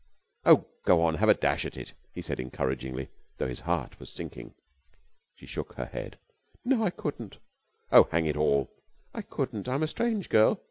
"Oh, go on, have a dash at it," he said encouragingly, though his heart was sinking. She shook her head. "No, I couldn't." "Oh, hang it all!" "I couldn't. I'm a strange girl...."